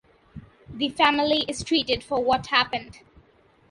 The family is treated for what happened.